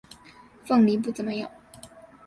凤梨不怎么样